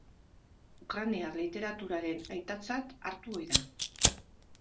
Ukrainar literaturaren aitatzat hartu ohi da.